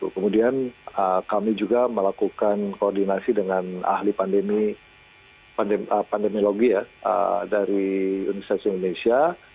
kemudian kami juga melakukan koordinasi dengan ahli pandemiologi ya dari universitas indonesia